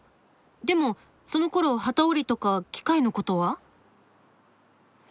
でもそのころ機織りとか機械のことは？